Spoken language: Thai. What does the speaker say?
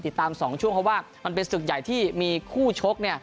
ติดตาม๒ช่วงเพราะว่ามันเป็นศึกใหญ่ที่มีคู่ชก